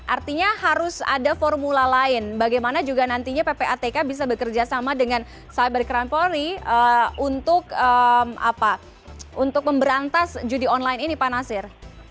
artinya harus ada formula lain bagaimana juga nantinya ppatk bisa bekerja sama dengan cybercrime polri untuk memberantas judi online ini pak nasir